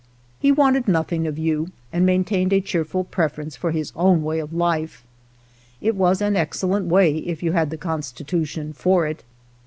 He wanted nothing of ) you and maintained a cheerful preference for his own way of Hfe. It was an excellent way if you had the constitution for it.